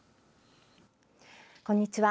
こんにちは。